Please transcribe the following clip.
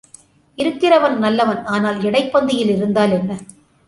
இருக்கிறவன் நல்லவன் ஆனால் இடைப்பந்தியில் இருந்தால் என்ன?